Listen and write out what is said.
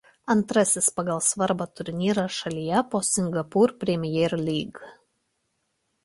Antrasis pagal svarbą turnyras šalyje po Singapore Premier League.